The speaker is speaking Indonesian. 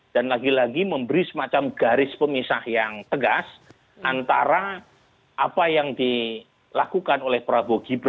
dan lagi lagi memberi semacam garis pemisah yang tegas antara apa yang dilakukan oleh prabowo gibran yang